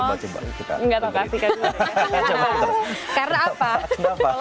nggak tahu kasih kak